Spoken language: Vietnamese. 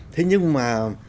thế nhưng mà